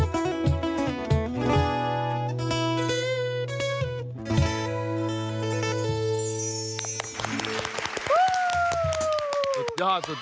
ทอดเคลียร์